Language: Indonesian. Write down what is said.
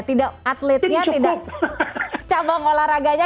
tidak atletnya tidak cabang olahraganya